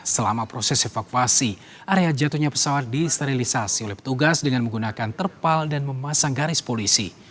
selama proses evakuasi area jatuhnya pesawat disterilisasi oleh petugas dengan menggunakan terpal dan memasang garis polisi